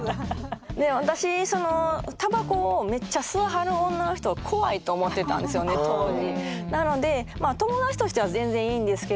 私タバコをめっちゃ吸わはる女の人怖いと思ってたんですよね当時。